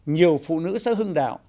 nhiều phụ nữ xã hưng đạo